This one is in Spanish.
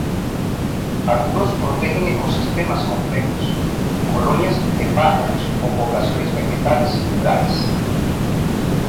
Algunos protegen ecosistemas complejos, colonias de pájaros, o poblaciones vegetales singulares.